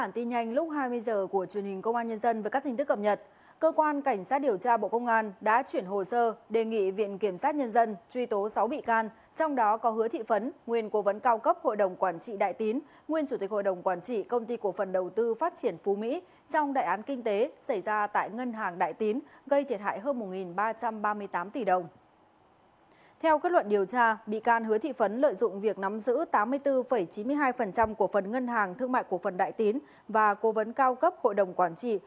theo kết luận điều tra bị can hứa thị phấn lợi dụng việc nắm giữ tám mươi bốn chín mươi hai của phần ngân hàng thương mại của phần đại tín và cố vấn cao cấp hội đồng quản trị